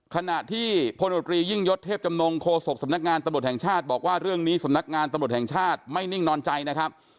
ขณะที่พลตรียิ่งยศเทพจำนงโฆษกสำนักงานตำรวจแห่งชาติบอกว่าเรื่องนี้สำนักงานตำรวจแห่งชาติไม่นิ่งนอนใจนะครับ